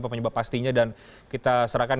apa penyebab pastinya dan kita serahkan